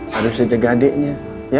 harus bisa jaga adiknya